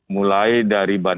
mulai dari bagian